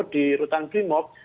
di rutan primob